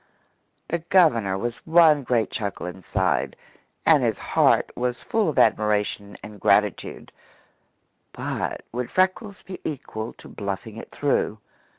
The Governor was one great chuckle inside, and his heart was full of admiration and gratitude; but would Freckles be equal to bluffing it through?